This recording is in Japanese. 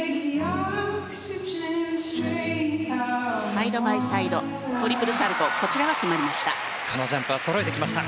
サイドバイサイドトリプルサルコウこちらは決まりました。